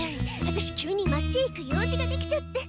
ワタシ急に町へ行く用事ができちゃって。